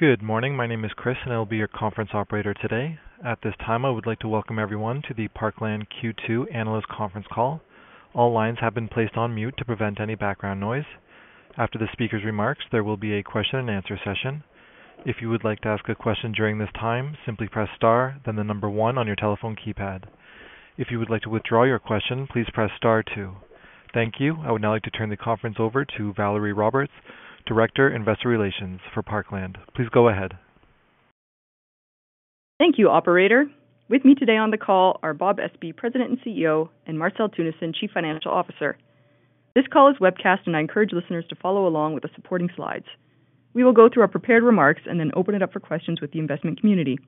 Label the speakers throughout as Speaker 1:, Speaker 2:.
Speaker 1: Good morning. My name is Chris, and I'll be your conference operator today. At this time, I would like to welcome everyone to the Parkland Q2 Analyst Conference Call. All lines have been placed on mute to prevent any background noise. After the speaker's remarks, there will be a question-and-answer session. If you would like to ask a question during this time, simply press star, then the number one on your telephone keypad. If you would like to withdraw your question, please press star two. Thank you. I would now like to turn the conference over to Valerie Roberts, Director, Investor Relations for Parkland. Please go ahead.
Speaker 2: Thank you, Operator. With me today on the call are Bob Espey, President and CEO, and Marcel Teunissen, Chief Financial Officer. This call is webcast, and I encourage listeners to follow along with the supporting slides. We will go through our prepared remarks and then open it up for questions with the investment community.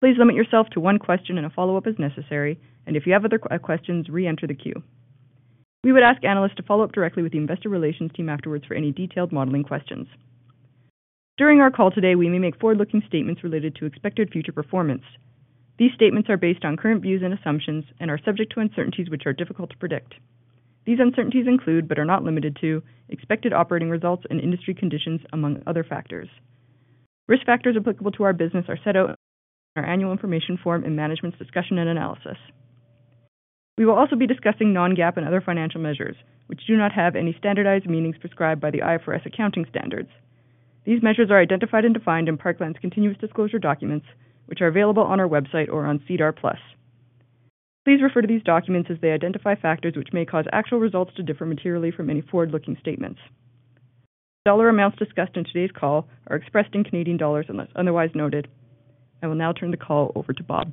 Speaker 2: Please limit yourself to one question and a follow-up as necessary, and if you have other questions, re-enter the queue. We would ask analysts to follow up directly with the investor relations team afterwards for any detailed modeling questions. During our call today, we may make forward-looking statements related to expected future performance. These statements are based on current views and assumptions and are subject to uncertainties which are difficult to predict. These uncertainties include, but are not limited to, expected operating results and industry conditions, among other factors. Risk factors applicable to our business are set out in our Annual Information Form in Management's Discussion and Analysis. We will also be discussing non-GAAP and other financial measures which do not have any standardized meanings prescribed by the IFRS accounting standards. These measures are identified and defined in Parkland's continuous disclosure documents, which are available on our website or on SEDAR+. Please refer to these documents as they identify factors which may cause actual results to differ materially from any forward-looking statements. Dollar amounts discussed in today's call are expressed in Canadian dollars unless otherwise noted. I will now turn the call over to Bob.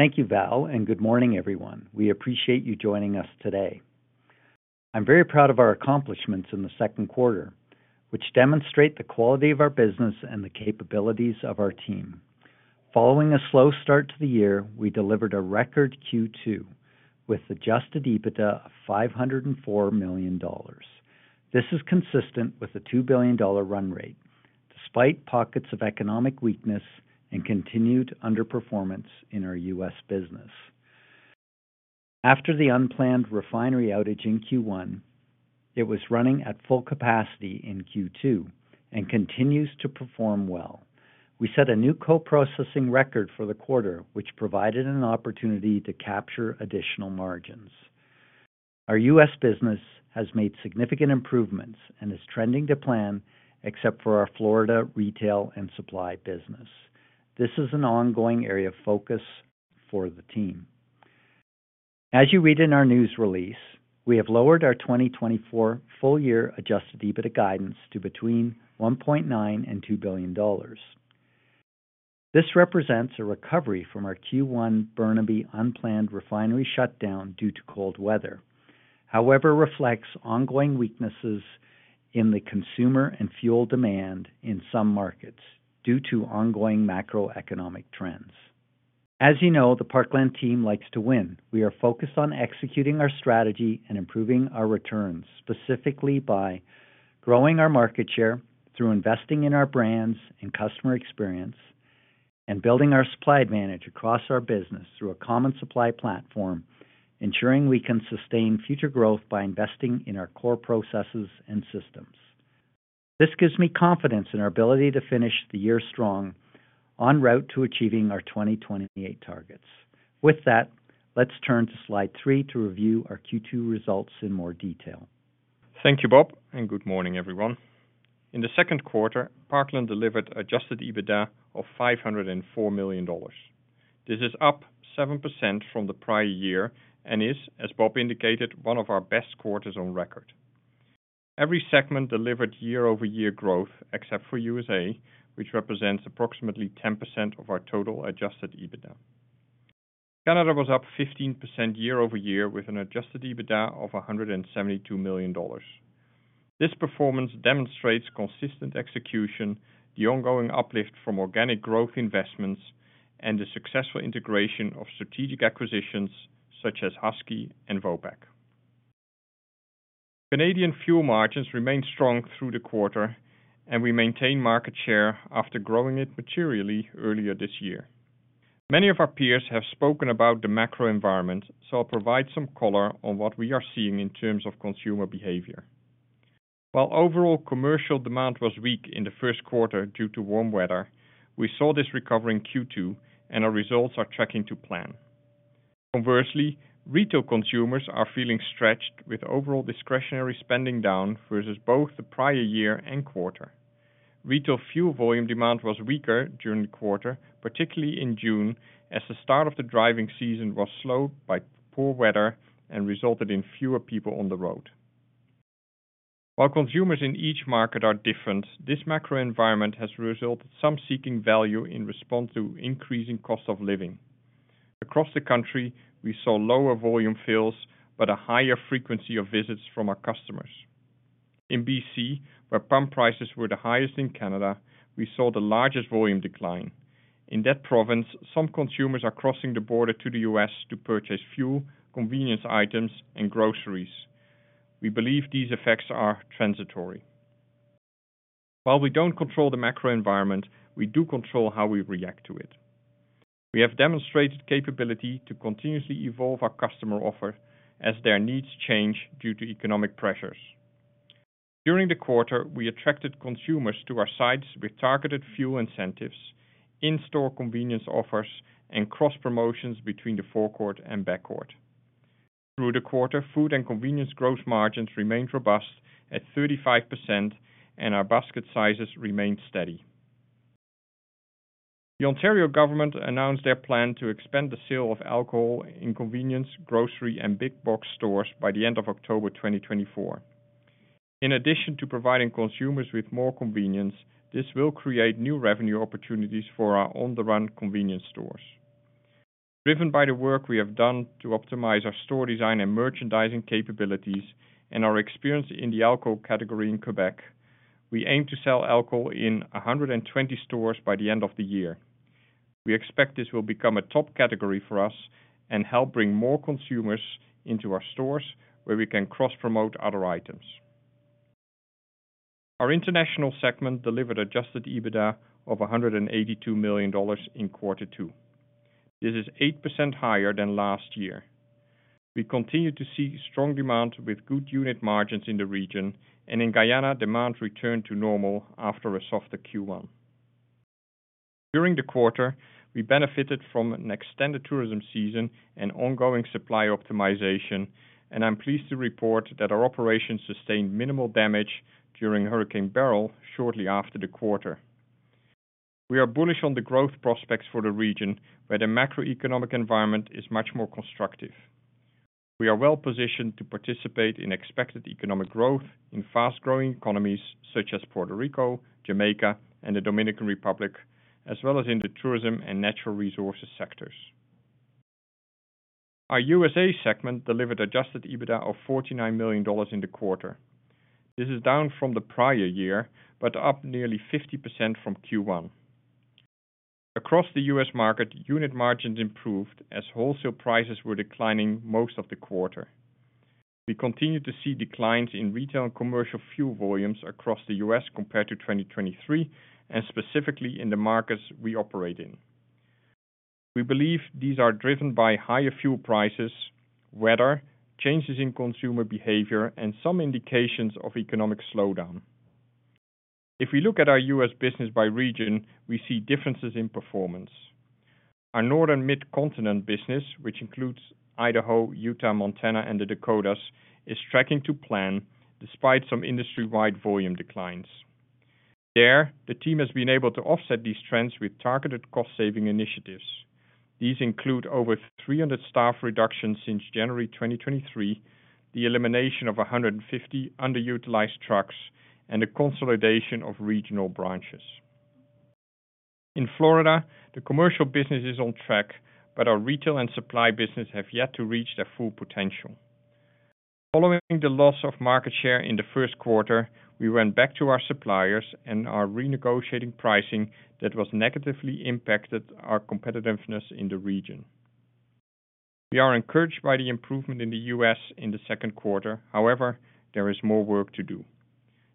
Speaker 3: Thank you, Val, and good morning, everyone. We appreciate you joining us today. I'm very proud of our accomplishments in the Q2, which demonstrate the quality of our business and the capabilities of our team. Following a slow start to the year, we delivered a record Q2 with an Adjusted EBITDA of $504 million. This is consistent with a $2 billion run rate, despite pockets of economic weakness and continued underperformance in our U.S. business. After the unplanned refinery outage in Q1, it was running at full capacity in Q2 and continues to perform well. We set a new Co-processing record for the quarter, which provided an opportunity to capture additional margins. Our U.S. business has made significant improvements and is trending to plan, except for our Florida retail and supply business. This is an ongoing area of focus for the team. As you read in our news release, we have lowered our 2024 full-year Adjusted EBITDA guidance to between $1.9 billion and $2 billion. This represents a recovery from our Q1 Burnaby unplanned refinery shutdown due to cold weather. However, it reflects ongoing weaknesses in the consumer and fuel demand in some markets due to ongoing macroeconomic trends. As you know, the Parkland team likes to win. We are focused on executing our strategy and improving our returns, specifically by growing our market share through investing in our brands and customer experience and building our supply advantage across our business through a common supply platform, ensuring we can sustain future growth by investing in our core processes and systems. This gives me confidence in our ability to finish the year strong en route to achieving our 2028 targets. With that, let's turn to Slide 3 to review our Q2 results in more detail.
Speaker 4: Thank you, Bob, and good morning, everyone. In the Q2, Parkland delivered Adjusted EBITDA of $504 million. This is up 7% from the prior year and is, as Bob indicated, one of our best quarters on record. Every segment delivered year-over-year growth, except for USA, which represents approximately 10% of our total Adjusted EBITDA. Canada was up 15% year-over-year with an Adjusted EBITDA of $172 million. This performance demonstrates consistent execution, the ongoing uplift from organic growth investments, and the successful integration of strategic acquisitions such as Husky and Vopak. Canadian fuel margins remained strong through the quarter, and we maintained market share after growing it materially earlier this year. Many of our peers have spoken about the macro environment, so I'll provide some color on what we are seeing in terms of consumer behavior. While overall commercial demand was weak in the Q1 due to warm weather, we saw this recover in Q2, and our results are tracking to plan. Conversely, retail consumers are feeling stretched, with overall discretionary spending down versus both the prior year and quarter. Retail fuel volume demand was weaker during the quarter, particularly in June, as the start of the driving season was slowed by poor weather and resulted in fewer people on the road. While consumers in each market are different, this macro environment has resulted in some seeking value in response to increasing cost of living. Across the country, we saw lower volume fills but a higher frequency of visits from our customers. In BC, where pump prices were the highest in Canada, we saw the largest volume decline. In that province, some consumers are crossing the border to the U.S. to purchase fuel, convenience items, and groceries. We believe these effects are transitory. While we don't control the macro environment, we do control how we react to it. We have demonstrated the capability to continuously evolve our customer offer as their needs change due to economic pressures. During the quarter, we attracted consumers to our sites with targeted fuel incentives, in-store convenience offers, and cross-promotions between the forecourt and backcourt. Through the quarter, food and convenience gross margins remained robust at 35%, and our basket sizes remained steady. The Ontario government announced their plan to expand the sale of alcohol in convenience, grocery, and big-box stores by the end of October 2024. In addition to providing consumers with more convenience, this will create new revenue opportunities for our On the Run convenience stores. Driven by the work we have done to optimize our store design and merchandising capabilities and our experience in the alcohol category in Quebec, we aim to sell alcohol in 120 stores by the end of the year. We expect this will become a top category for us and help bring more consumers into our stores where we can cross-promote other items. Our international segment delivered Adjusted EBITDA of $182 million in Q2. This is 8% higher than last year. We continue to see strong demand with good unit margins in the region, and in Guyana, demand returned to normal after a softer Q1. During the quarter, we benefited from an extended tourism season and ongoing supply optimization, and I'm pleased to report that our operations sustained minimal damage during Hurricane Beryl shortly after the quarter. We are bullish on the growth prospects for the region, where the macroeconomic environment is much more constructive. We are well-positioned to participate in expected economic growth in fast-growing economies such as Puerto Rico, Jamaica, and the Dominican Republic, as well as in the tourism and natural resources sectors. Our USA segment delivered Adjusted EBITDA of $49 million in the quarter. This is down from the prior year but up nearly 50% from Q1. Across the U.S. market, unit margins improved as wholesale prices were declining most of the quarter. We continue to see declines in retail and commercial fuel volumes across the U.S. compared to 2023, and specifically in the markets we operate in. We believe these are driven by higher fuel prices, weather, changes in consumer behavior, and some indications of economic slowdown. If we look at our U.S. business by region, we see differences in performance. Our Northern Mid-Continent business, which includes Idaho, Utah, Montana, and the Dakotas, is tracking to plan despite some industry-wide volume declines. There, the team has been able to offset these trends with targeted cost-saving initiatives. These include over 300 staff reductions since January 2023, the elimination of 150 underutilized trucks, and the consolidation of regional branches. In Florida, the commercial business is on track, but our retail and supply business have yet to reach their full potential. Following the loss of market share in the Q1, we went back to our suppliers and are renegotiating pricing that was negatively impacting our competitiveness in the region. We are encouraged by the improvement in the U.S. in the Q2, however, there is more work to do.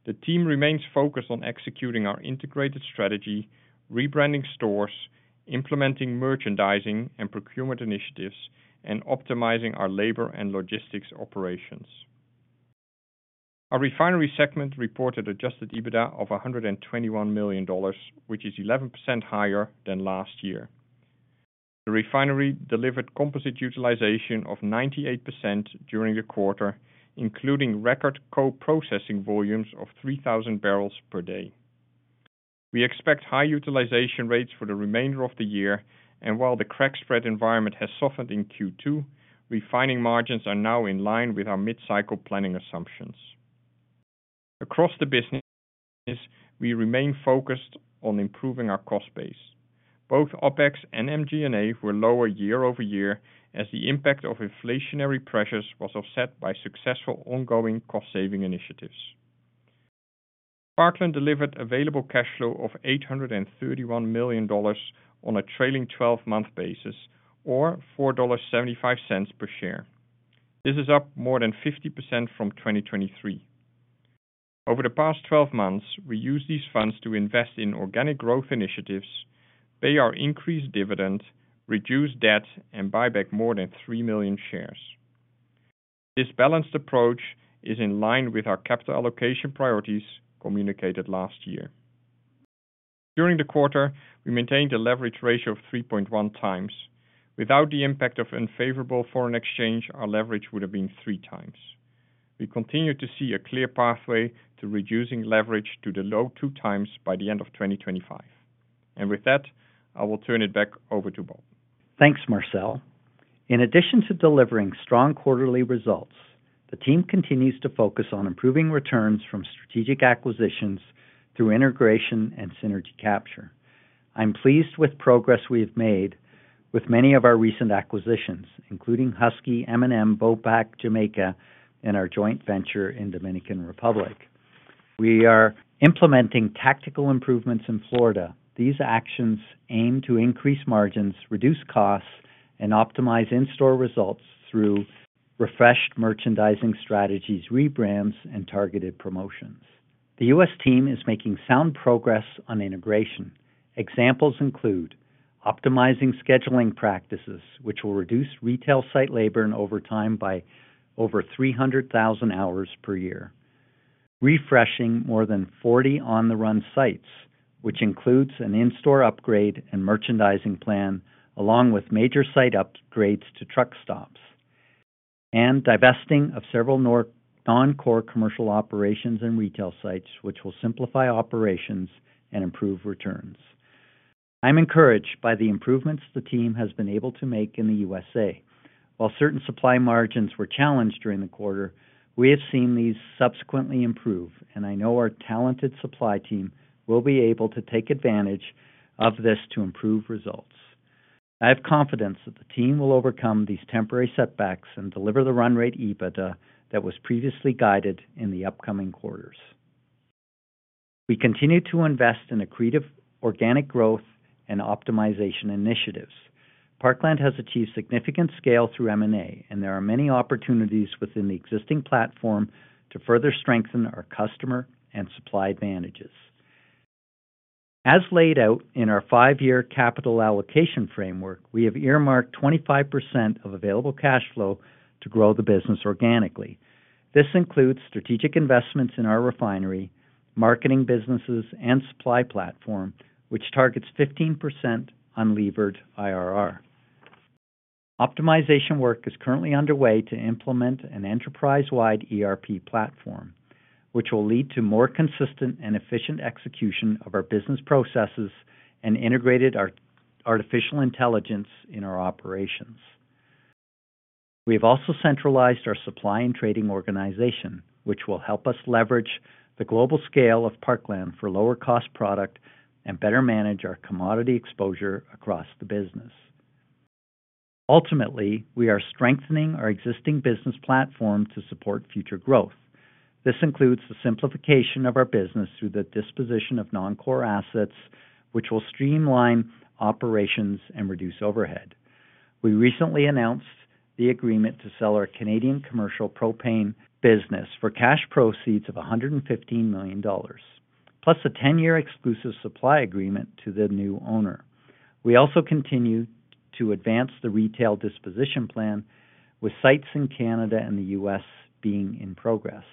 Speaker 4: The team remains focused on executing our integrated strategy, rebranding stores, implementing merchandising and procurement initiatives, and optimizing our labor and logistics operations. Our refinery segment reported adjusted EBITDA of $121 million, which is 11% higher than last year. The refinery delivered composite utilization of 98% during the quarter, including record co-processing volumes of 3,000 barrels per day. We expect high utilization rates for the remainder of the year, and while the crack spread environment has softened in Q2, refining margins are now in line with our mid-cycle planning assumptions. Across the business, we remain focused on improving our cost base. Both OpEx and MG&A were lower year-over-year as the impact of inflationary pressures was offset by successful ongoing cost-saving initiatives. Parkland delivered available cash flow of $831 million on a trailing 12-month basis, or $4.75 per share. This is up more than 50% from 2023. Over the past 12 months, we used these funds to invest in organic growth initiatives, pay our increased dividend, reduce debt, and buy back more than three million shares. This balanced approach is in line with our capital allocation priorities communicated last year. During the quarter, we maintained a leverage ratio of 3.1x. Without the impact of unfavorable foreign exchange, our leverage would have been three times. We continue to see a clear pathway to reducing leverage to the low two times by the end of 2025. With that, I will turn it back over to Bob.
Speaker 3: Thanks, Marcel. In addition to delivering strong quarterly results, the team continues to focus on improving returns from strategic acquisitions through integration and synergy capture. I'm pleased with progress we have made with many of our recent acquisitions, including Husky, M&M, Vopak, Jamaica, and our joint venture in the Dominican Republic. We are implementing tactical improvements in Florida. These actions aim to increase margins, reduce costs, and optimize in-store results through refreshed merchandising strategies, rebrands, and targeted promotions. The U.S. team is making sound progress on integration. Examples include optimizing scheduling practices, which will reduce retail site labor and overtime by over 300,000 hours per year. Refreshing more than 40 On the Run sites, which includes an in-store upgrade and merchandising plan, along with major site upgrades to truck stops. And divesting of several non-core commercial operations and retail sites, which will simplify operations and improve returns. I'm encouraged by the improvements the team has been able to make in the USA. While certain supply margins were challenged during the quarter, we have seen these subsequently improve, and I know our talented supply team will be able to take advantage of this to improve results. I have confidence that the team will overcome these temporary setbacks and deliver the run rate EBITDA that was previously guided in the upcoming quarters. We continue to invest in accretive organic growth and optimization initiatives. Parkland has achieved significant scale through M&A, and there are many opportunities within the existing platform to further strengthen our customer and supply advantages. As laid out in our five-year capital allocation framework, we have earmarked 25% of available cash flow to grow the business organically. This includes strategic investments in our refinery, marketing businesses, and supply platform, which targets 15% unlevered IRR. Optimization work is currently underway to implement an enterprise-wide ERP platform, which will lead to more consistent and efficient execution of our business processes and integrated artificial intelligence in our operations. We have also centralized our supply and trading organization, which will help us leverage the global scale of Parkland for lower-cost product and better manage our commodity exposure across the business. Ultimately, we are strengthening our existing business platform to support future growth. This includes the simplification of our business through the disposition of non-core assets, which will streamline operations and reduce overhead. We recently announced the agreement to sell our Canadian commercial propane business for cash proceeds of $115 million, plus a 10-year exclusive supply agreement to the new owner. We also continue to advance the retail disposition plan, with sites in Canada and the U.S. being in progress.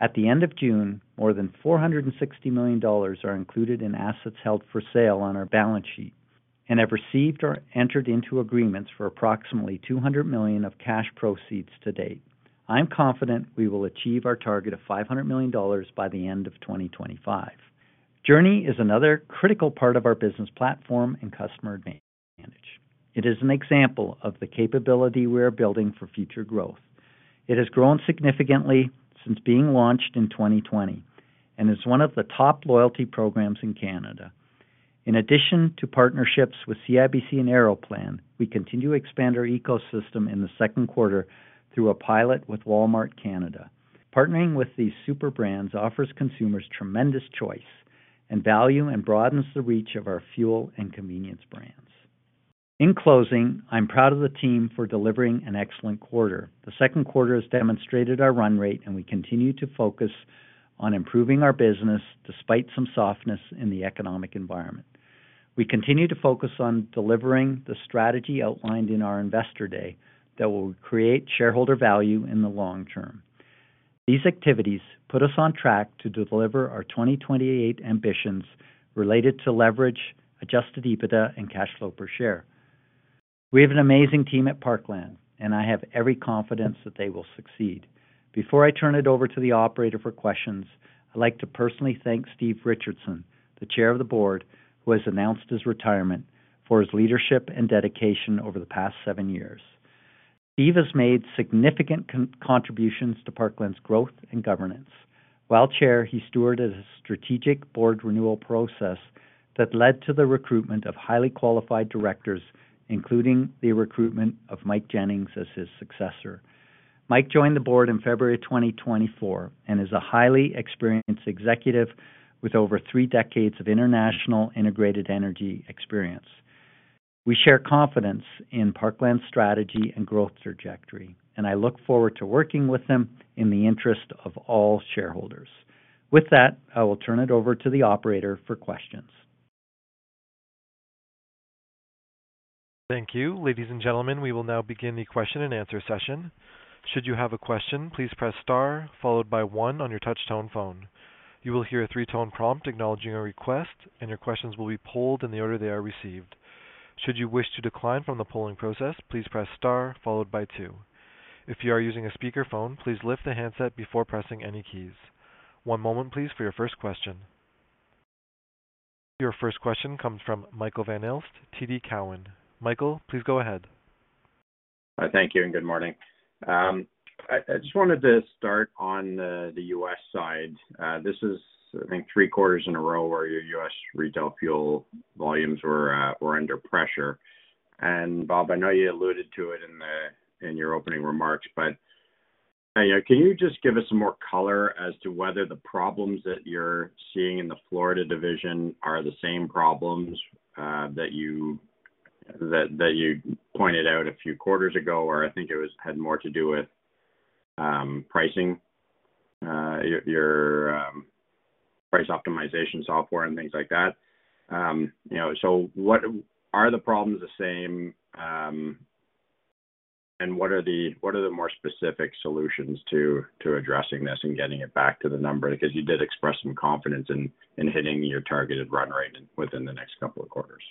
Speaker 3: At the end of June, more than $460 million are included in assets held for sale on our balance sheet and have received or entered into agreements for approximately $200 million of cash proceeds to date. I'm confident we will achieve our target of $500 million by the end of 2025. Journie is another critical part of our business platform and customer advantage. It is an example of the capability we are building for future growth. It has grown significantly since being launched in 2020 and is one of the top loyalty programs in Canada. In addition to partnerships with CIBC and Aeroplan, we continue to expand our ecosystem in the Q2 through a pilot with Walmart Canada. Partnering with these super brands offers consumers tremendous choice and value and broadens the reach of our fuel and convenience brands. In closing, I'm proud of the team for delivering an excellent quarter. The Q2 has demonstrated our run rate, and we continue to focus on improving our business despite some softness in the economic environment. We continue to focus on delivering the strategy outlined in our investor day that will create shareholder value in the long term. These activities put us on track to deliver our 2028 ambitions related to leverage, Adjusted EBITDA, and cash flow per share. We have an amazing team at Parkland, and I have every confidence that they will succeed. Before I turn it over to the operator for questions, I'd like to personally thank Steve Richardson, the Chair of the Board, who has announced his retirement for his leadership and dedication over the past seven years. Steve has made significant contributions to Parkland's growth and governance. While Chair, he stewarded a strategic board renewal process that led to the recruitment of highly qualified directors, including the recruitment of Mike Jennings as his successor. Mike joined the board in February 2024 and is a highly experienced executive with over three decades of international integrated energy experience. We share confidence in Parkland's strategy and growth trajectory, and I look forward to working with him in the interest of all shareholders. With that, I will turn it over to the operator for questions.
Speaker 1: Thank you. Ladies and gentlemen, we will now begin the question and answer session. Should you have a question, please press star followed by one on your touch-tone phone. You will hear a three-tone prompt acknowledging your request, and your questions will be polled in the order they are received. Should you wish to decline from the polling process, please press star followed by two. If you are using a speakerphone, please lift the handset before pressing any keys. One moment, please, for your first question. Your first question comes from Michael Van Aelst, TD Cowen. Michael, please go ahead.
Speaker 5: Thank you and good morning. I just wanted to start on the U.S. side. This is, I think, three quarters in a row where your U.S. retail fuel volumes were under pressure. And Bob, I know you alluded to it in your opening remarks, but can you just give us some more color as to whether the problems that you're seeing in the Florida division are the same problems that you pointed out a few quarters ago, or I think it had more to do with pricing, your price optimization software and things like that? So are the problems the same, and what are the more specific solutions to addressing this and getting it back to the number? Because you did express some confidence in hitting your targeted run rate within the next couple of quarters.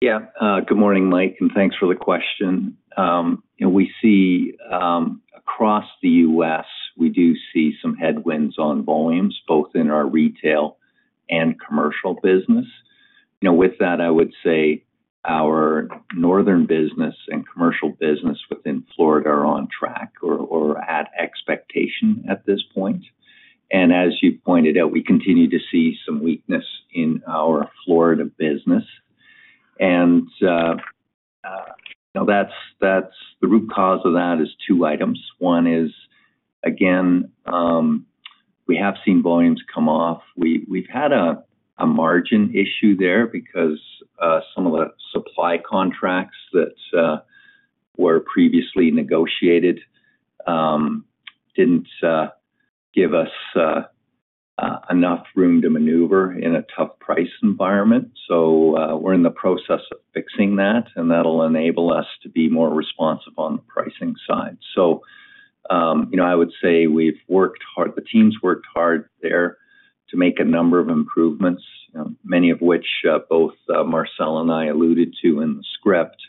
Speaker 3: Yeah. Good morning, Mike, and thanks for the question. We see across the U.S., we do see some headwinds on volumes, both in our retail and commercial business. With that, I would say our northern business and commercial business within Florida are on track or at expectation at this point. And as you pointed out, we continue to see some weakness in our Florida business. And that's the root cause of that is two items. One is, again, we have seen volumes come off. We've had a margin issue there because some of the supply contracts that were previously negotiated didn't give us enough room to maneuver in a tough price environment. So we're in the process of fixing that, and that'll enable us to be more responsive on the pricing side. So I would say we've worked hard. The team's worked hard there to make a number of improvements, many of which both Marcel and I alluded to in the script,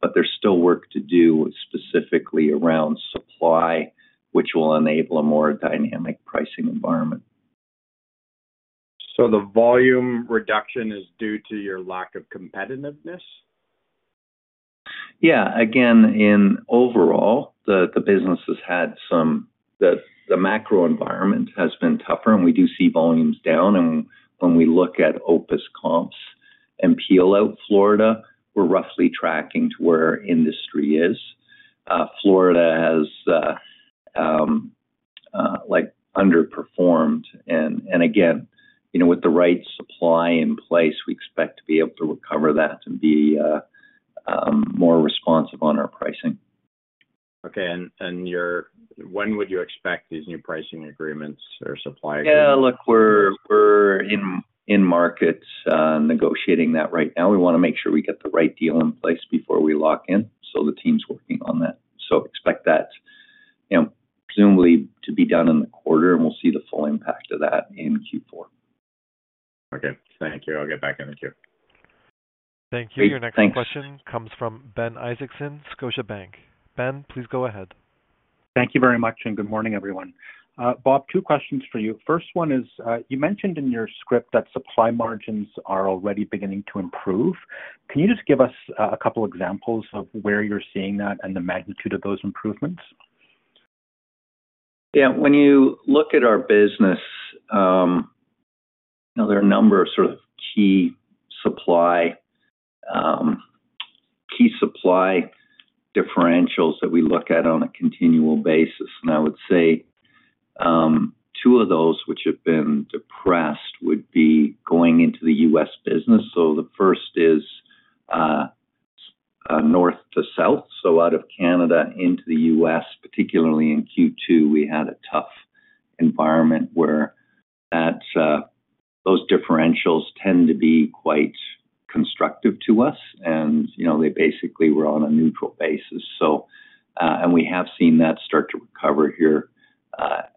Speaker 3: but there's still work to do specifically around supply, which will enable a more dynamic pricing environment.
Speaker 5: So the volume reduction is due to your lack of competitiveness?
Speaker 3: Yeah. Again, overall, the business has had some tough. The macro environment has been tougher, and we do see volumes down. When we look at OPIS comps and P&L out Florida, we're roughly tracking to where industry is. Florida has underperformed. Again, with the right supply in place, we expect to be able to recover that and be more responsive on our pricing.
Speaker 5: Okay. And when would you expect these new pricing agreements or supply agreements?
Speaker 3: Yeah. Look, we're in markets negotiating that right now. We want to make sure we get the right deal in place before we lock in. So the team's working on that. So expect that presumably to be done in the quarter, and we'll see the full impact of that in Q4.
Speaker 5: Okay. Thank you. I'll get back in the queue.
Speaker 1: Thank you. Your next question comes from Ben Isaacson, Scotiabank. Ben, please go ahead.
Speaker 6: Thank you very much, and good morning, everyone. Bob, two questions for you. First one is, you mentioned in your script that supply margins are already beginning to improve. Can you just give us a couple of examples of where you're seeing that and the magnitude of those improvements?
Speaker 3: Yeah. When you look at our business, there are a number of sort of key supply differentials that we look at on a continual basis. And I would say two of those which have been depressed would be going into the U.S. business. So the first is north to south. So out of Canada into the U.S., particularly in Q2, we had a tough environment where those differentials tend to be quite constructive to us, and they basically were on a neutral basis. And we have seen that start to recover here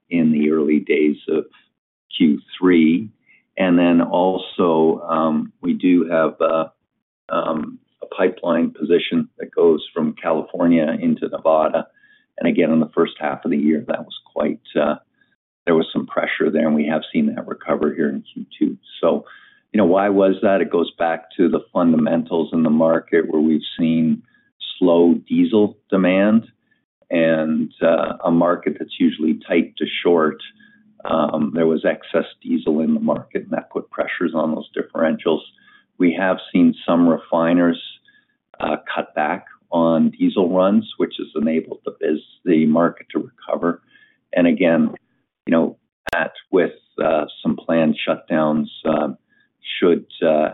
Speaker 3: in the early days of Q3. And then also, we do have a pipeline position that goes from California into Nevada. And again, in the first half of the year, there was some pressure there, and we have seen that recover here in Q2. So why was that? It goes back to the fundamentals in the market where we've seen slow diesel demand and a market that's usually tight to short. There was excess diesel in the market, and that put pressures on those differentials. We have seen some refiners cut back on diesel runs, which has enabled the market to recover. And again, that with some planned shutdowns should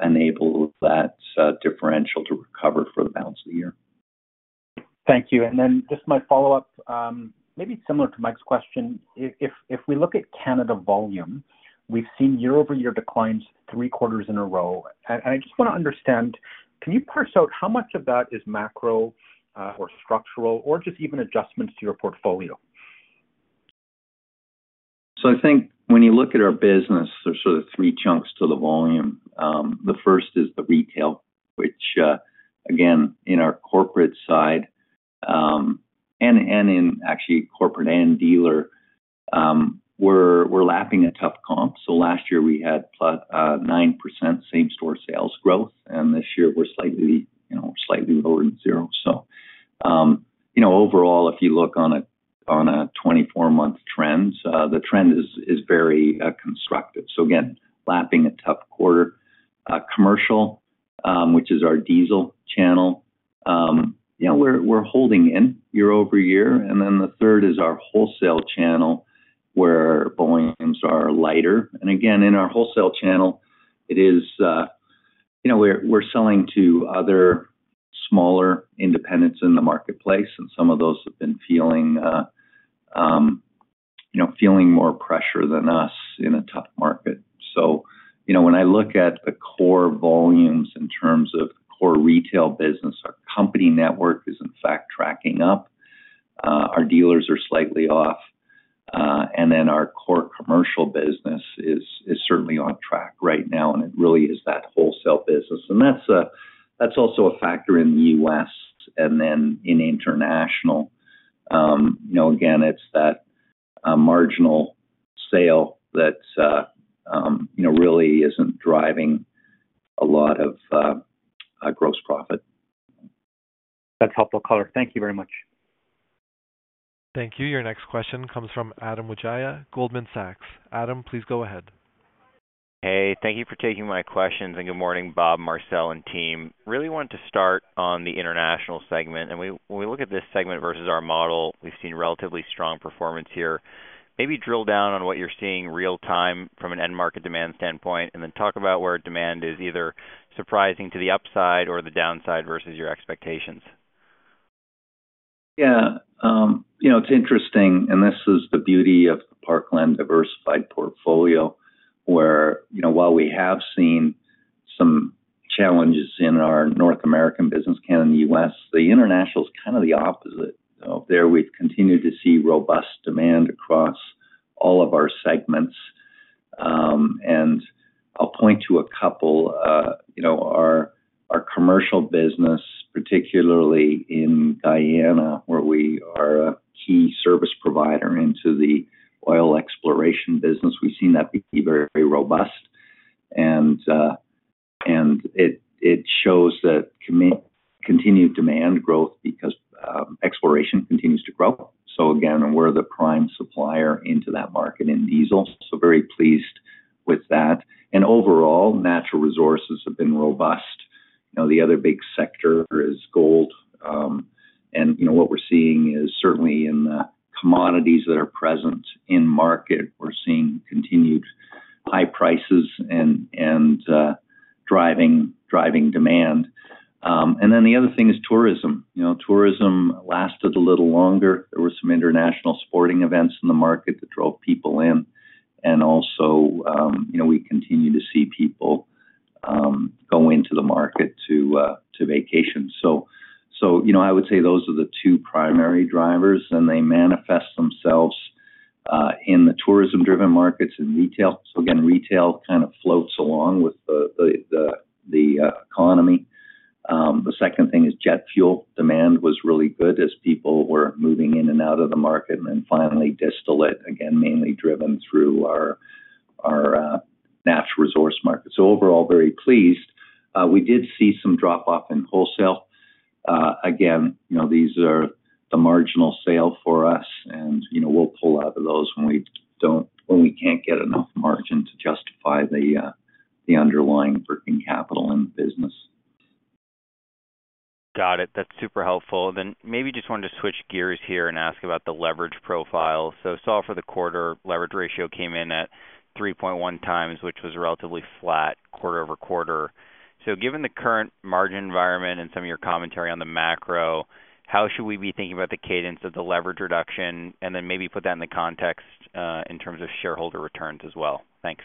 Speaker 3: enable that differential to recover for the balance of the year.
Speaker 6: Thank you. And then just my follow-up, maybe similar to Mike's question. If we look at Canada volume, we've seen year-over-year declines three quarters in a row. And I just want to understand, can you parse out how much of that is macro or structural or just even adjustments to your portfolio?
Speaker 3: So I think when you look at our business, there's sort of three chunks to the volume. The first is the retail, which, again, in our corporate side and in actually corporate and dealer, we're lapping a tough comp. So last year, we had 9% same-store sales growth, and this year, we're slightly lower than zero. So overall, if you look on a 24-month trend, the trend is very constructive. So again, lapping a tough quarter. Commercial, which is our diesel channel, we're holding in year-over-year. And then the third is our wholesale channel where volumes are lighter. And again, in our wholesale channel, we're selling to other smaller independents in the marketplace, and some of those have been feeling more pressure than us in a tough market. So when I look at the core volumes in terms of core retail business, our company network is, in fact, tracking up. Our dealers are slightly off. Then our core commercial business is certainly on track right now, and it really is that wholesale business. That's also a factor in the U.S. Then in international, again, it's that marginal sale that really isn't driving a lot of gross profit.
Speaker 6: That's helpful, caller. Thank you very much.
Speaker 1: Thank you. Your next question comes from Adam Wijaya, Goldman Sachs. Adam, please go ahead.
Speaker 7: Hey, thank you for taking my questions, and good morning, Bob, Marcel, and team. Really wanted to start on the international segment. And when we look at this segment versus our model, we've seen relatively strong performance here. Maybe drill down on what you're seeing real-time from an end-market demand standpoint, and then talk about where demand is either surprising to the upside or the downside versus your expectations.
Speaker 3: Yeah. It's interesting, and this is the beauty of the Parkland diversified portfolio, where while we have seen some challenges in our North American business Canada and in the U.S., the international is kind of the opposite. There we've continued to see robust demand across all of our segments. And I'll point to a couple. Our commercial business, particularly in Guyana, where we are a key service provider into the oil exploration business, we've seen that be very robust. And it shows that continued demand growth because exploration continues to grow. So again, we're the prime supplier into that market in diesel. So very pleased with that. And overall, natural resources have been robust. The other big sector is gold. And what we're seeing is certainly in the commodities that are present in the market, we're seeing continued high prices and driving demand. And then the other thing is tourism. Tourism lasted a little longer. There were some international sporting events in the market that drove people in. And also, we continue to see people go into the market to vacation. So I would say those are the two primary drivers, and they manifest themselves in the tourism-driven markets and retail. So again, retail kind of floats along with the economy. The second thing is jet fuel. Demand was really good as people were moving in and out of the market. And then finally, distillate, again, mainly driven through our natural resource market. So overall, very pleased. We did see some drop-off in wholesale. Again, these are the marginal sales for us, and we'll pull out of those when we can't get enough margin to justify the underlying working capital in the business.
Speaker 7: Got it. That's super helpful. Then maybe just wanted to switch gears here and ask about the leverage profile. So for the quarter, leverage ratio came in at 3.1x, which was relatively flat quarter-over-quarter. So given the current margin environment and some of your commentary on the macro, how should we be thinking about the cadence of the leverage reduction? And then maybe put that in the context in terms of shareholder returns as well. Thanks.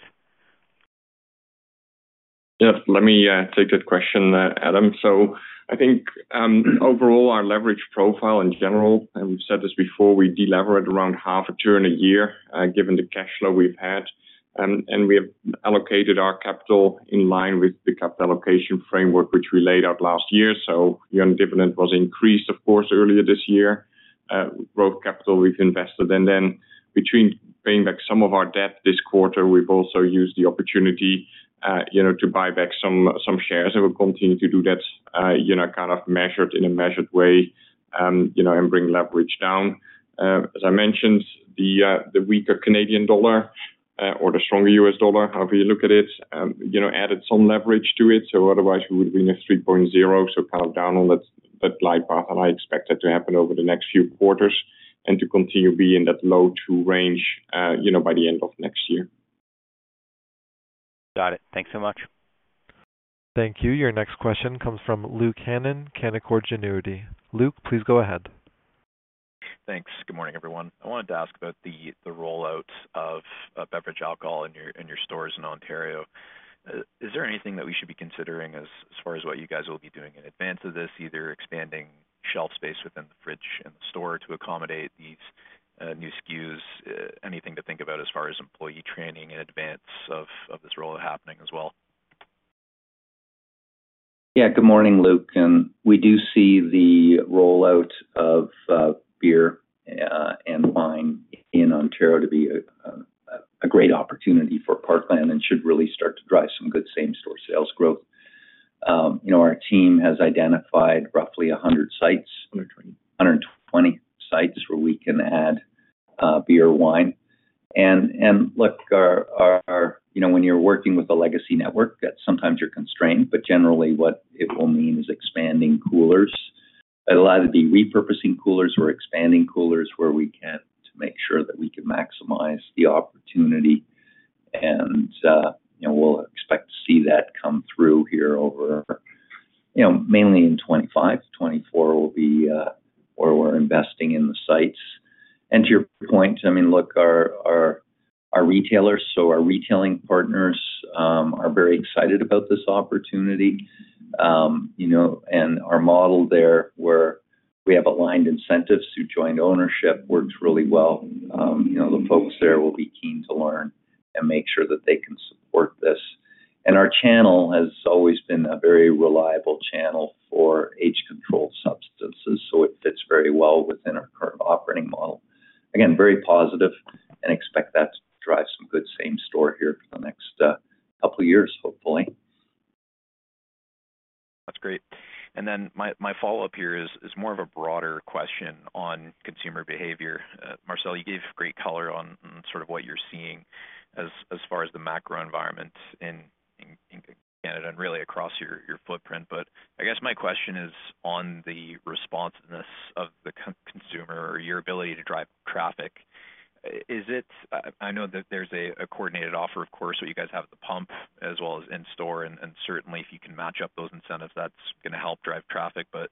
Speaker 4: Yep. Let me take that question, Adam. So I think overall, our leverage profile in general, and we've said this before, we deleverage around half a turn a year given the cash flow we've had. And we have allocated our capital in line with the capital allocation framework, which we laid out last year. So the dividend was increased, of course, earlier this year. Growth capital we've invested. And then between paying back some of our debt this quarter, we've also used the opportunity to buy back some shares. And we'll continue to do that kind of in a measured way and bring leverage down. As I mentioned, the weaker Canadian dollar or the stronger U.S. dollar, however you look at it, added some leverage to it. So otherwise, we would have been at 3.0x, so kind of down on that right path. I expect that to happen over the next few quarters and to continue being in that low-two range by the end of next year.
Speaker 7: Got it. Thanks so much.
Speaker 1: Thank you. Your next question comes from Luke Hannan, Canaccord Genuity. Luke, please go ahead.
Speaker 8: Thanks. Good morning, everyone. I wanted to ask about the rollout of beverage alcohol in your stores in Ontario. Is there anything that we should be considering as far as what you guys will be doing in advance of this, either expanding shelf space within the fridge and the store to accommodate these new SKUs? Anything to think about as far as employee training in advance of this rollout happening as well?
Speaker 3: Yeah. Good morning, Luke. We do see the rollout of beer and wine in Ontario to be a great opportunity for Parkland and should really start to drive some good same-store sales growth. Our team has identified roughly 100 sites.
Speaker 8: 120.
Speaker 3: 120 sites where we can add beer or wine. And look, when you're working with a legacy network, sometimes you're constrained, but generally, what it will mean is expanding coolers. It'll either be repurposing coolers or expanding coolers where we can to make sure that we can maximize the opportunity. And we'll expect to see that come through here over mainly in 2025. 2024 will be where we're investing in the sites. And to your point, I mean, look, our retailers, so our retailing partners are very excited about this opportunity. And our model there, where we have aligned incentives through joint ownership, works really well. The folks there will be keen to learn and make sure that they can support this. And our channel has always been a very reliable channel for age-controlled substances, so it fits very well within our current operating model. Again, very positive, and expect that to drive some good same-store here for the next couple of years, hopefully.
Speaker 8: That's great. And then my follow-up here is more of a broader question on consumer behavior. Marcel, you gave great color on sort of what you're seeing as far as the macro environment in Canada and really across your footprint. But I guess my question is on the responsiveness of the consumer or your ability to drive traffic. I know that there's a coordinated offer, of course, where you guys have the pump as well as in-store. And certainly, if you can match up those incentives, that's going to help drive traffic. But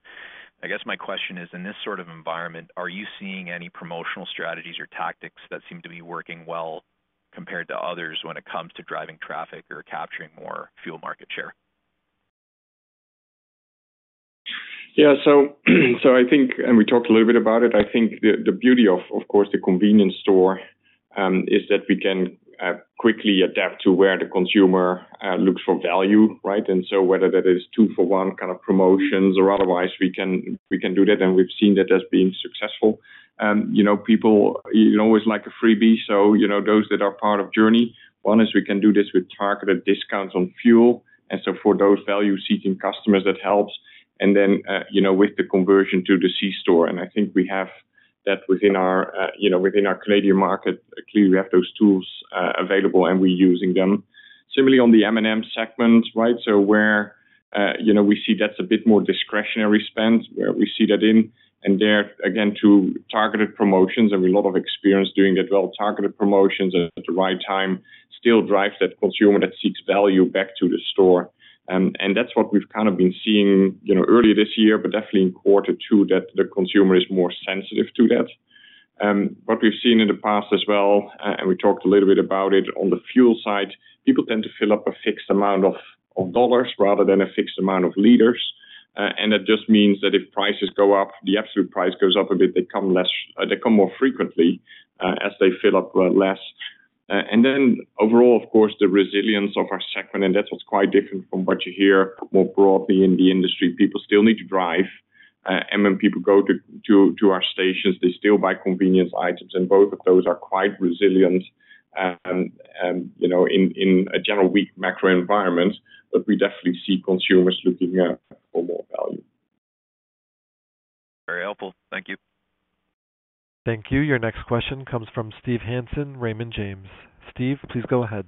Speaker 8: I guess my question is, in this sort of environment, are you seeing any promotional strategies or tactics that seem to be working well compared to others when it comes to driving traffic or capturing more fuel market share?
Speaker 4: Yeah. So I think, and we talked a little bit about it, I think the beauty of course the convenience store is that we can quickly adapt to where the consumer looks for value, right? And so whether that is two-for-one kind of promotions or otherwise, we can do that. And we've seen that as being successful. People always like a freebie, so those that are part of Journie, one is we can do this with targeted discounts on fuel. And so for those value-seeking customers, that helps. And then with the conversion to the C-store. And I think we have that within our Canadian market. Clearly, we have those tools available, and we're using them. Similarly, on the M&M segment, right? So where we see that's a bit more discretionary spend, where we see that in. There, again, to targeted promotions, and we have a lot of experience doing that well. Targeted promotions at the right time still drive that consumer that seeks value back to the store. And that's what we've kind of been seeing earlier this year, but definitely in quarter two, that the consumer is more sensitive to that. What we've seen in the past as well, and we talked a little bit about it on the fuel side, people tend to fill up a fixed amount of dollars rather than a fixed amount of liters. And that just means that if prices go up, the absolute price goes up a bit, they come more frequently as they fill up less. And then overall, of course, the resilience of our segment, and that's what's quite different from what you hear more broadly in the industry. People still need to drive. When people go to our stations, they still buy convenience items. Both of those are quite resilient in a general weak macro environment, but we definitely see consumers looking for more value.
Speaker 8: Very helpful. Thank you.
Speaker 1: Thank you. Your next question comes from Steve Hansen, Raymond James. Steve, please go ahead.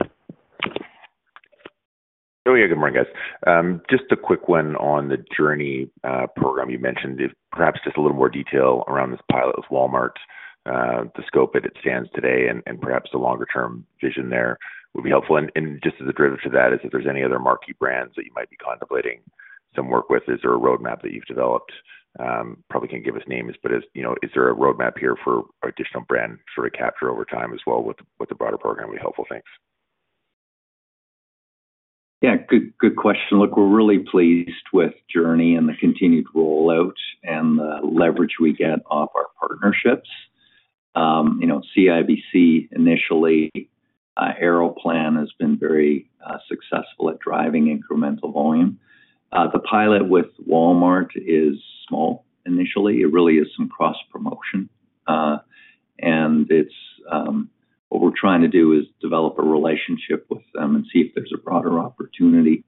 Speaker 9: Oh, yeah. Good morning, guys. Just a quick one on the Journie program you mentioned. Perhaps just a little more detail around this pilot with Walmart, the scope as it stands today, and perhaps the longer-term vision there would be helpful. And just as a driver to that, is if there's any other marquee brands that you might be contemplating some work with, is there a roadmap that you've developed? Probably can't give us names, but is there a roadmap here for additional brand sort of capture over time as well with the broader program would be helpful. Thanks.
Speaker 3: Yeah. Good question. Look, we're really pleased with Journie and the continued rollout and the leverage we get off our partnerships. CIBC initially, Aeroplan has been very successful at driving incremental volume. The pilot with Walmart is small initially. It really is some cross-promotion. And what we're trying to do is develop a relationship with them and see if there's a broader opportunity.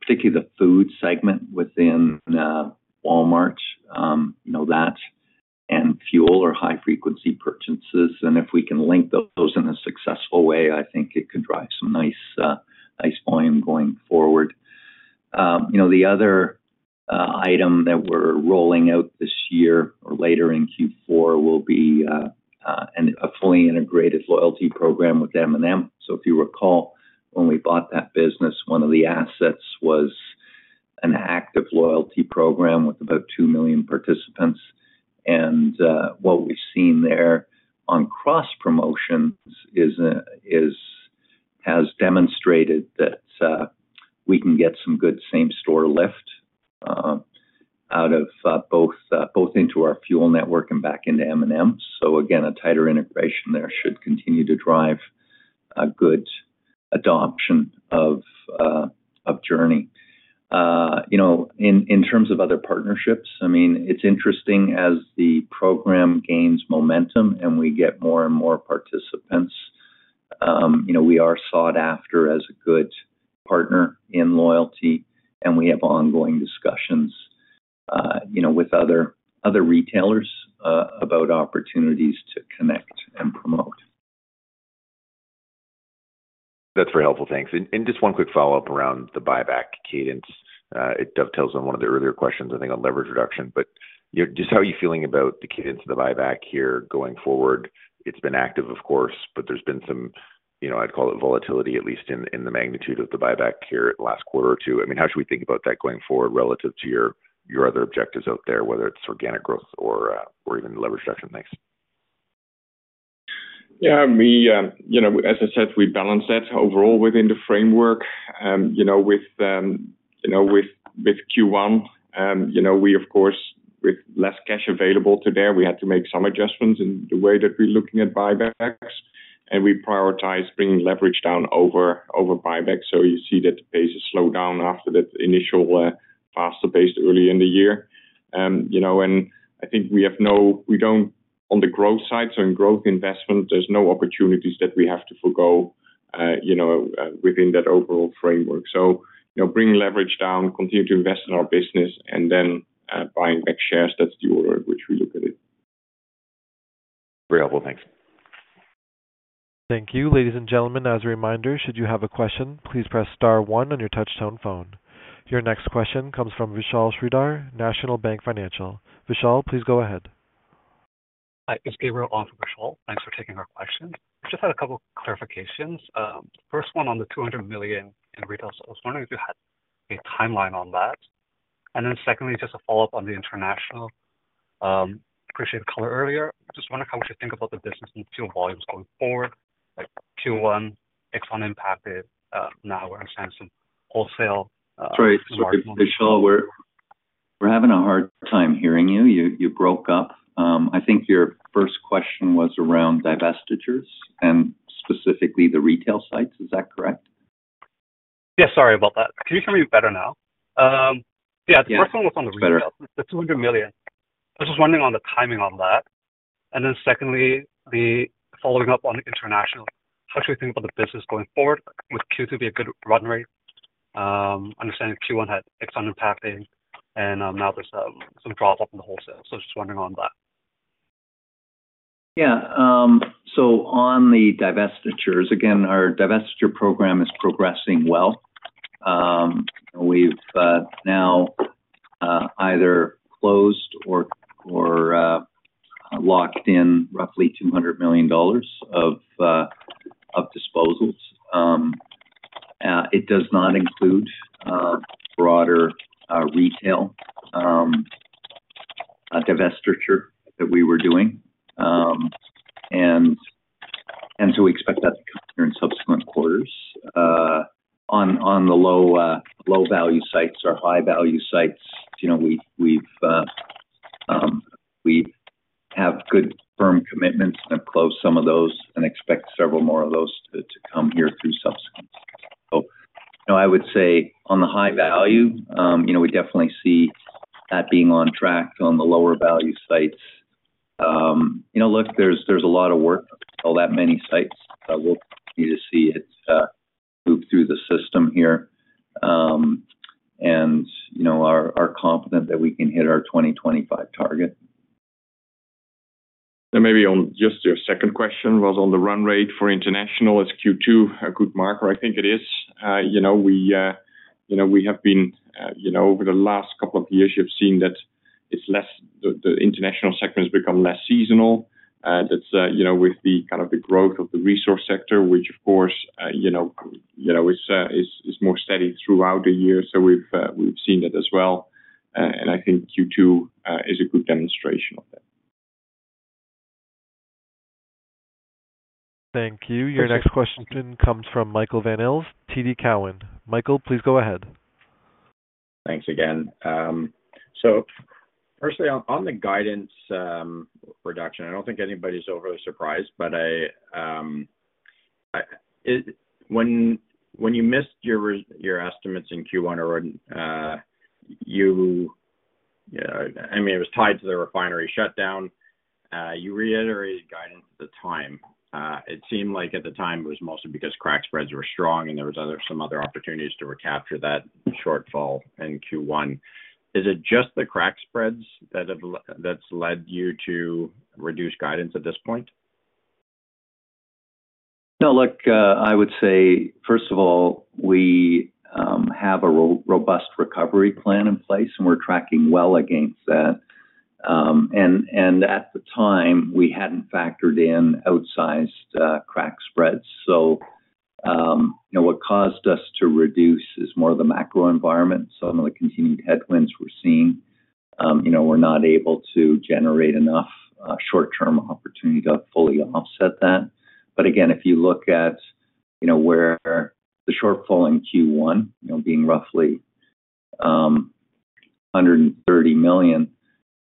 Speaker 3: Particularly the food segment within Walmart, that and fuel or high-frequency purchases. And if we can link those in a successful way, I think it could drive some nice volume going forward. The other item that we're rolling out this year or later in Q4 will be a fully integrated loyalty program with M&M. So if you recall, when we bought that business, one of the assets was an active loyalty program with about two million participants. What we've seen there on cross-promotions has demonstrated that we can get some good same-store lift out of both into our fuel network and back into M&M. So again, a tighter integration there should continue to drive good adoption of Journie. In terms of other partnerships, I mean, it's interesting as the program gains momentum and we get more and more participants, we are sought after as a good partner in loyalty, and we have ongoing discussions with other retailers about opportunities to connect and promote.
Speaker 9: That's very helpful. Thanks. And just one quick follow-up around the buyback cadence. It dovetails on one of the earlier questions, I think, on leverage reduction. But just how are you feeling about the cadence of the buyback here going forward? It's been active, of course, but there's been some, I'd call it, volatility, at least in the magnitude of the buyback here last quarter or two. I mean, how should we think about that going forward relative to your other objectives out there, whether it's organic growth or even leverage reduction? Thanks.
Speaker 4: Yeah. As I said, we balance that overall within the framework. With Q1, we, of course, with less cash available today, we had to make some adjustments in the way that we're looking at buybacks. And we prioritized bringing leverage down over buybacks. So you see that the pace has slowed down after that initial faster pace early in the year. And I think we have on the growth side, so in growth investment, there's no opportunities that we have to forgo within that overall framework. So bringing leverage down, continue to invest in our business, and then buying back shares, that's the order in which we look at it.
Speaker 9: Very helpful. Thanks.
Speaker 1: Thank you. Ladies and gentlemen, as a reminder, should you have a question, please press star one on your touch-tone phone. Your next question comes from Vishal Shreedhar, National Bank Financial. Vishal, please go ahead.
Speaker 10: Hi. It's Gabriel on for Vishal. Thanks for taking our questions. Just had a couple of clarifications. First one on the $200 million in retail sales. Wondering if you had a timeline on that. And then secondly, just a follow-up on the international. Appreciated the color earlier. Just wondering how much you think about the business and fuel volumes going forward. Q1, Exxon impacted. Now we're on some drop-off wholesale.
Speaker 3: Sorry, Vishal, we're having a hard time hearing you. You broke up. I think your first question was around divestitures and specifically the retail sites. Is that correct?
Speaker 10: Yeah. Sorry about that. Can you hear me better now? Yeah. The first one was on the retail. The $200 million. I was just wondering on the timing on that. And then secondly, following up on the international, how should we think about the business going forward with Q2 being a good run rate? Understanding Q1 had Exxon impacting, and now there's some drop-off in the wholesale. So just wondering on that.
Speaker 3: Yeah. So on the divestitures, again, our divestiture program is progressing well. We've now either closed or locked in roughly $200 million of disposals. It does not include broader retail divestiture that we were doing. And so we expect that to come here in subsequent quarters. On the low-value sites or high-value sites, we have good firm commitments and have closed some of those and expect several more of those to come here through subsequent. So I would say on the high value, we definitely see that being on track on the lower value sites. Look, there's a lot of work, all that many sites. We'll continue to see it move through the system here. And are confident that we can hit our 2025 target.
Speaker 4: Maybe on just your second question was on the run rate for international, is Q2 a good marker? I think it is. We have, over the last couple of years, you've seen that the international segment has become less seasonal. That's with the kind of growth of the resource sector, which, of course, is more steady throughout the year. So we've seen that as well. I think Q2 is a good demonstration of that.
Speaker 1: Thank you. Your next question comes from Michael Van Aelst, TD Cowen. Michael, please go ahead.
Speaker 5: Thanks again. So firstly, on the guidance reduction, I don't think anybody's overly surprised, but when you missed your estimates in Q1, I mean, it was tied to the refinery shutdown. You reiterated guidance at the time. It seemed like at the time it was mostly because crack spreads were strong and there were some other opportunities to recapture that shortfall in Q1. Is it just the crack spreads that's led you to reduce guidance at this point?
Speaker 3: No. Look, I would say, first of all, we have a robust recovery plan in place, and we're tracking well against that. And at the time, we hadn't factored in outsized crack spreads. So what caused us to reduce is more of the macro environment. Some of the continued headwinds we're seeing, we're not able to generate enough short-term opportunity to fully offset that. But again, if you look at where the shortfall in Q1 being roughly $130 million,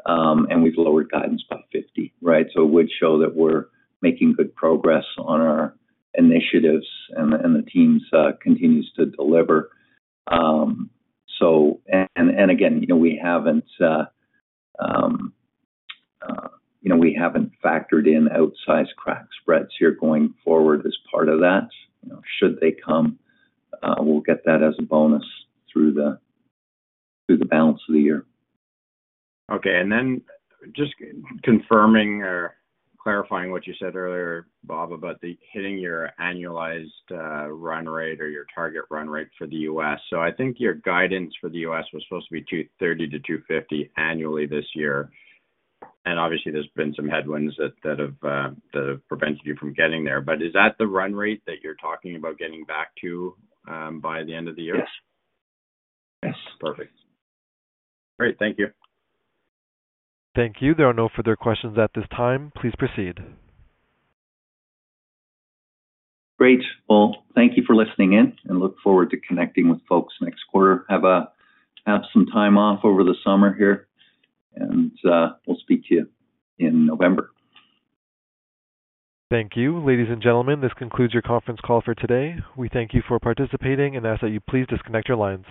Speaker 3: and we've lowered guidance by $50 million, right? So it would show that we're making good progress on our initiatives and the teams continue to deliver. And again, we haven't factored in outsized crack spreads here going forward as part of that. Should they come, we'll get that as a bonus through the balance of the year.
Speaker 5: Okay. Then just confirming or clarifying what you said earlier, Bob, about hitting your annualized run rate or your target run rate for the U.S. So I think your guidance for the U.S. was supposed to be $230 million-$250 million annually this year. And obviously, there's been some headwinds that have prevented you from getting there. But is that the run rate that you're talking about getting back to by the end of the year?
Speaker 3: Yes. Yes.
Speaker 5: Perfect. All right. Thank you.
Speaker 1: Thank you. There are no further questions at this time. Please proceed.
Speaker 3: Great. Well, thank you for listening in, and look forward to connecting with folks next quarter. Have some time off over the summer here, and we'll speak to you in November.
Speaker 1: Thank you. Ladies and gentlemen, this concludes your conference call for today. We thank you for participating and ask that you please disconnect your lines.